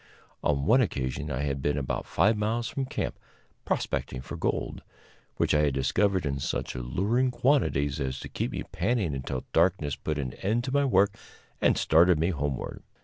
On one occasion I had been about five miles from camp, prospecting for gold, which I had discovered in such alluring quantities as to keep me panning until darkness put an end to my work and started me homeward.